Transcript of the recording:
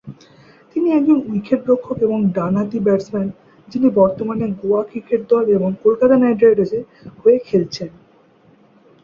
তিনি একজন উইকেটরক্ষক এবং ডানহাতি ব্যাটসম্যান যিনি বর্তমানে গোয়া ক্রিকেটে দল এবং কলকাতা নাইট রাইডার্স এ হয়ে খেলছেন।